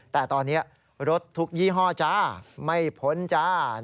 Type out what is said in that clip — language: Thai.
แต่ตอนนี้รถทุกยี่ห้อจ้าไม่พ้นจ้า